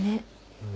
うん。